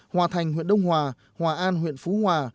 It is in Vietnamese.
hòa thành huyện đông hòa hòa an huyện phú hòa